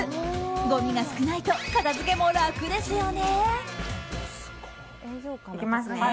ごみが少ないと片付けも楽ですよね。